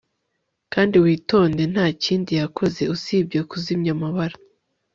Kandi witonde ntakindi yakoze usibye kuzimya amabara